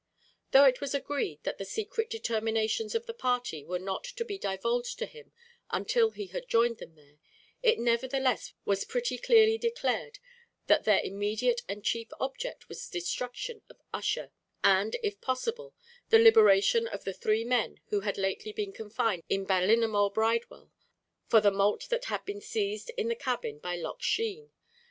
Though it was agreed that the secret determinations of the party were not to be divulged to him until he had joined them there, it nevertheless was pretty clearly declared that their immediate and chief object was the destruction of Ussher, and, if possible, the liberation of the three men who had lately been confined in Ballinamore Bridewell, for the malt that had been seized in the cabin by Loch Sheen.